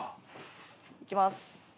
いきます。